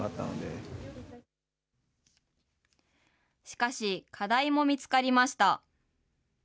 しかし、課題も見つかりました。